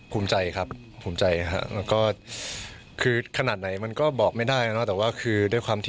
ภูมิใจครับภูมิใจแล้วก็คือเพราะขนาดไหนมันก็บอกใจไม่ได้แต่ว่าคือ